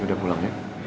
udah pulang ya